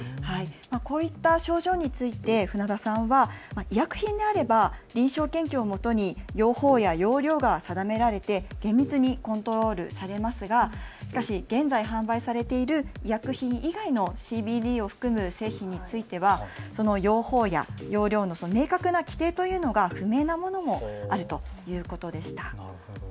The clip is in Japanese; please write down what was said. こういった症状について舩田さんは医薬品であれば臨床研究をもとに用法や用量が定められて厳密にコントロールされますがしかし現在販売されている医薬品以外のＣＢＤを含む製品についてはその用法や容量に明確な規定というものが不明なものがあるということでした。